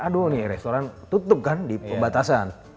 aduh nih restoran tutup kan di pembatasan